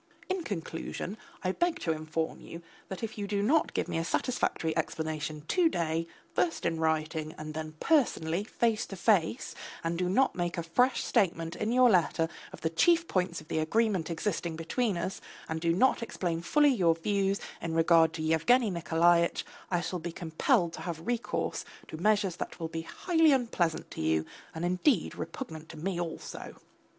In conclusion, I beg to inform you that if you do not give me a satisfactory explanation to day, first in writing, and then personally face to face, and do not make a fresh statement in your letter of the chief points of the agreement existing between us, and do not explain fully your views in regard to Yevgeny Nikolaitch, I shall be compelled to have recourse to measures that will be highly unpleasant to you, and indeed repugnant to me also.